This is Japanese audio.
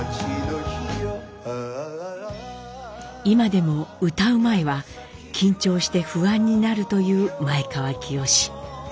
今でも歌う前は緊張して不安になるという前川清。